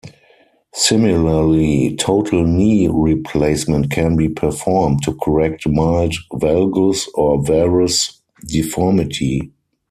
Similarly, total knee replacement can be performed to correct mild valgus or varus deformity.